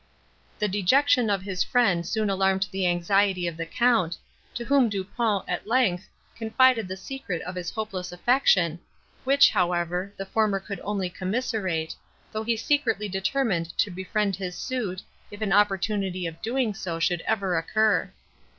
The dejection of his friend soon alarmed the anxiety of the Count, to whom Du Pont, at length, confided the secret of his hopeless affection, which, however, the former could only commiserate, though he secretly determined to befriend his suit, if an opportunity of doing so should ever occur.